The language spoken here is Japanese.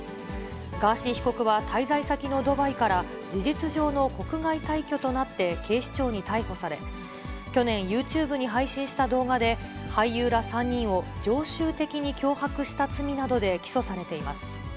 ガーシー被告は滞在先のドバイから事実上の国外退去となって警視庁に逮捕され、去年、ユーチューブに配信した動画で、俳優ら３人を常習的に脅迫した罪などで起訴されています。